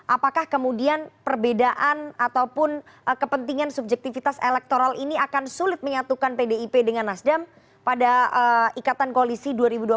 apakah kemudian perbedaan ataupun kepentingan subjektivitas elektoral ini akan sulit menyatukan pdip dengan nasdem pada ikatan koalisi dua ribu dua puluh empat